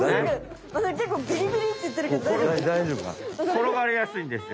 転がりやすいんですよ。